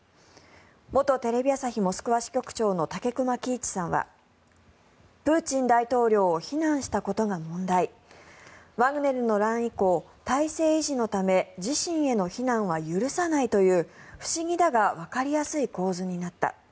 元テレビ朝日モスクワ支局長の武隈喜一さんはプーチン大統領を非難したことが問題ワグネルの乱以降体制維持のため自身への非難は許さないという不思議だがわかりやすい構図になった。